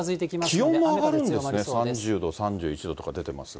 気温も上がるんですね、３０度、３１度とか出てますが。